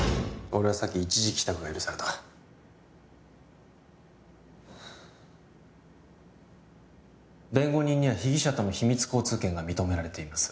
俺はさっき一時帰宅が許された弁護人には被疑者との秘密交通権が認められています